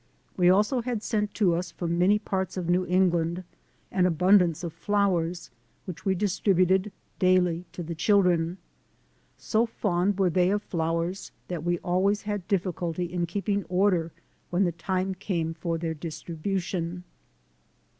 We also had sent to us from many parts of New England an abundance of flowers which we distributed daily to the children. So fond were they of flowers that we always had difficulty in keeping order when the time came for their distri bution.